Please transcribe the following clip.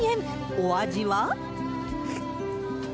お味は。